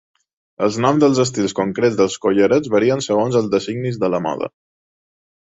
Els noms dels estils concrets dels collarets varien segons els designis de la moda.